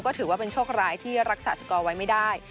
ก็ถือว่าเป็นโชคร้ายที่รักษาสกอร์ไว้ไม่ได้